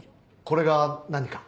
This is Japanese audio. これが何か？